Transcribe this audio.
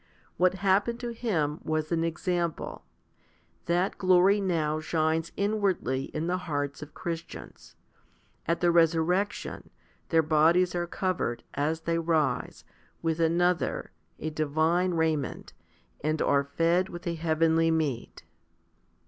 What happened to him was an example. That glory now shines inwardly in the hearts of Christians ; at the resurrec tion, their bodies are covered, as they rise, with another, a divine, raiment, and are fed with a heavenly meat.